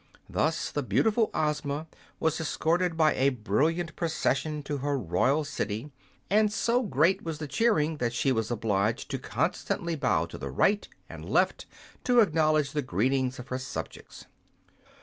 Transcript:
Thus the beautiful Ozma was escorted by a brilliant procession to her royal city, and so great was the cheering that she was obliged to constantly bow to the right and left to acknowledge the greetings of her subjects.